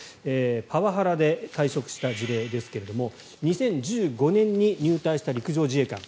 パワハラで退職した事例ですが２０１５年に入隊した陸上自衛官。